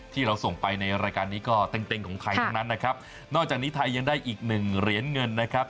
ที่เราส่งไปในรายการนี้ก็เต็งเต็งของไทยทั้งนั้นนะครับนอกจากนี้ไทยยังได้อีกหนึ่งเหรียญเงินนะครับ